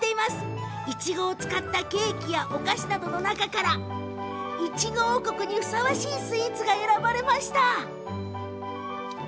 いちごを使ったケーキやお菓子などの中からいちご王国にふさわしいスイーツが選ばれました。